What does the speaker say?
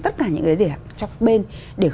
tất cả những người để hạn chắc bên để